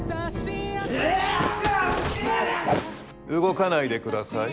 動かないで下さい。